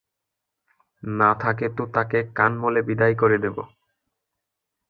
না থাকে তো তাকে কান মলে বিদায় করে দেব।